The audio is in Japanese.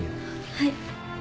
はい。